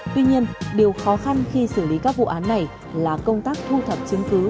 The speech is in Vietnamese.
tuy nhiên điều khó khăn khi xử lý các vụ án này là công tác thu thập chứng cứ